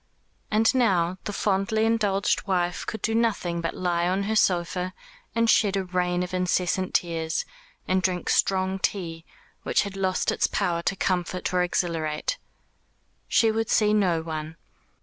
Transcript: And now the fondly indulged wife could do nothing but lie on her sofa and shed a rain of incessant tears, and drink strong tea, which had lost its power to comfort or exhilarate. She would see no one.